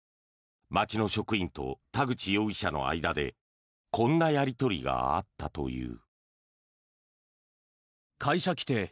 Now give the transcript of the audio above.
町の職員と田口容疑者の間でこんなやり取りがあったという。